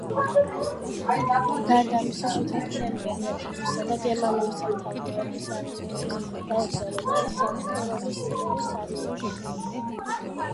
გარდა ამისა შეთანხმდა იმპერატორისა და გერმანული სამთავროების არმიების გაერთიანება საღვთო რომის იმპერიის არმიაში.